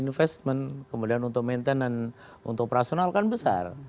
untuk investment kemudian untuk maintenance untuk personal kan besar